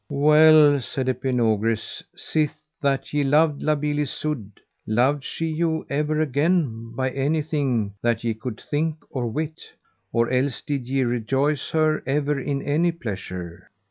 Well, said Epinogris, sith that ye loved La Beale Isoud, loved she you ever again by anything that ye could think or wit, or else did ye rejoice her ever in any pleasure?